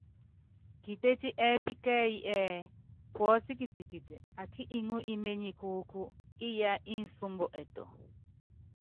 Kitétí ɛ́ɛ́pí kɛ́ɛ́yí ɛ́ɛ́: Puɔ́sí kitikiti akí iŋú íményikúúkú, iyaá insúmbɔ ɛtɔ.